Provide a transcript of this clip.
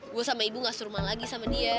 gue sama ibu gak suruh mal lagi sama dia